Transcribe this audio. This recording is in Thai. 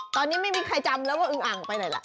ตอนนี้ไม่มีใครจำแล้วก็อึงอ่างไปไหนล่ะ